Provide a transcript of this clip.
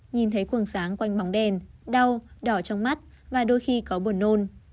nhìn thấy cuồng sáng quanh bóng đèn đau đỏ trong mắt và đôi khi có buồn nôn